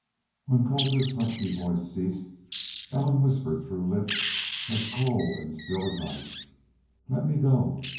When Colter's husky voice ceased Ellen whispered through lips as cold and still as ice, "Let me go